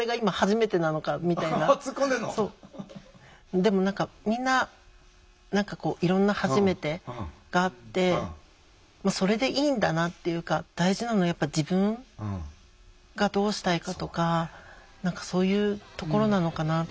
でも何かみんな何かこういろんな「はじめて」があってそれでいいんだなっていうか大事なのはやっぱ自分がどうしたいかとかそういうところなのかな。